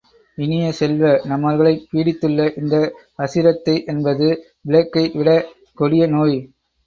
இனிய செல்வ, நம்மவர்களைப் பீடித்துள்ள இந்த அசிரத்தை என்பது பிளேக் கை விடக் கொடிய நோய்!